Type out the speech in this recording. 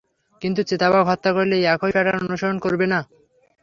কিন্তু, চিতাবাঘ হত্যা করতে একই প্যার্টান অনুসরণ করবে না।